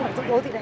hoặc tụi bố gì đấy